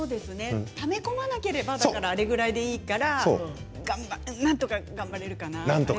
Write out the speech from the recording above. ため込まなければあれぐらいでいいからなんとか頑張れるかな。